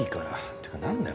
てか何だよ